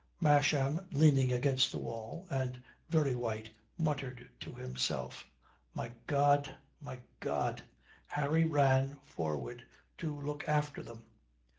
Masham, leaning against the wall and very white, muttered to himself, "My God, my God!" Harry ran forward to look after them.